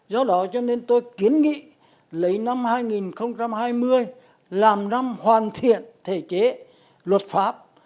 do đó cho nên tôi kiến nghị lấy năm hai nghìn hai mươi làm năm hoàn thiện thể chế luật pháp